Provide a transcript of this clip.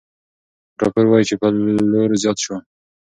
راپور وايي چې پلور زیات شو.